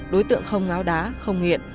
đối tượng không ngáo đá không nghiện